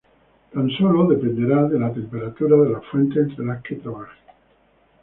Tan solo dependerá de las temperaturas de las fuentes entre las que trabaje.